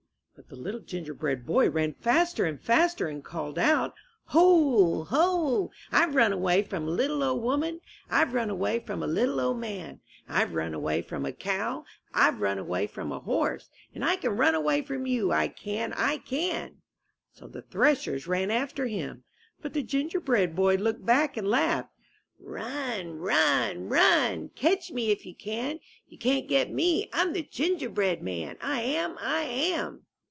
*' But the Little Gingerbread Boy ran faster and faster and called out: "Ho! Ho! I've run away from a little old woman, BtRT H. eUulOTTT MS MY BOOK HOUSE Fve run away from a little old man, Tve run away from a cow, Tve run away from a horse, And I can run away from you, I can, I can!'' So the threshers ran after him. But the Gingerbread Boy looked back and laughed: *^Run! Run! Run! Catch me if you can! You can't get me! I'm the Gingerbread Man, lam! I am!"